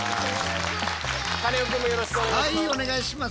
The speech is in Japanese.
カネオくんもよろしくお願いします。